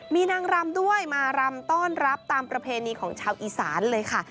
มีนางรำด้วยมารำต้อนรับตามประเพณีของชาวอีสานเลยค่ะ